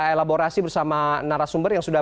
elaborasi bersama narasumber yang sudah